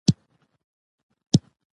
مات شوي لاس لس کوکونه اخیستي